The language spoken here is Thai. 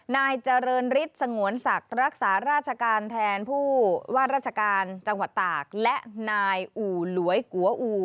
นายเจริญฤทธิ์สงวนศักดิ์รักษาราชการแทนผู้ว่าราชการจังหวัดตากและนายอู่หลวยกัวอู่